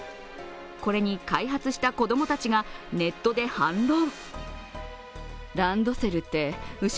これに開発した子供たちがネットで反論。